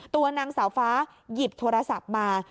ตัวนางสาวฟ้าหยิบโทรศัพท์มา